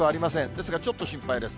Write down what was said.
ですがちょっと心配です。